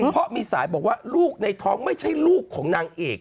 เพราะมีสายบอกว่าลูกในท้องไม่ใช่ลูกของนางเอก